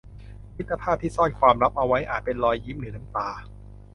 มิตรภาพที่ซ่อนความลับเอาไว้อาจเป็นรอยยิ้มหรือน้ำตา